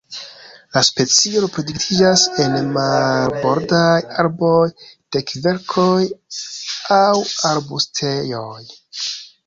La specio reproduktiĝas en marbordaj arbaroj de kverkoj aŭ arbustejoj.